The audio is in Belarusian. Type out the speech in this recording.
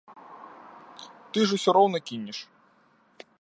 Ты ж усё роўна кінеш.